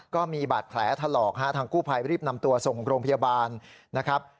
ก็มีบาดแผลถลอกฮะทางกู้ภัยรีบนำตัวส่งโรงพยาบาลนะครับ